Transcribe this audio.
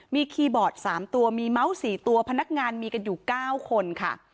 มีคีย์บอร์ด๓ตัวมีเมาส์๔ตัวพนักงานมีกันอยู่๙คนค่ะ